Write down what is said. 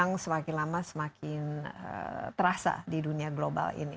yang semakin lama semakin terasa di dunia global ini